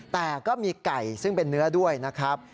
แต่ก็มีไก่ซึ่งเป็นเนื้อด้วยนะครับ